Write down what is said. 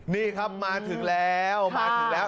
นี่ครับมาถึงแล้ว